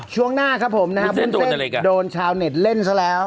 ช่วงหน้าครับผมนะครับเบื้องต้นโดนชาวเน็ตเล่นซะแล้ว